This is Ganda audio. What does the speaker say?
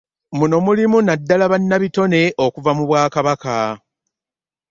Muno mulimu nnaddala bannabitone okuva mu bwakabaka